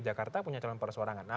jakarta punya calon persoarangan